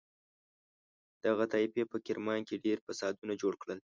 دغه طایفې په کرمان کې ډېر فسادونه جوړ کړل.